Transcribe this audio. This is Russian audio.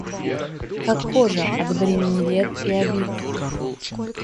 Как кожа, от бремени лет и обид.